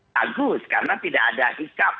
bagus karena tidak ada hikap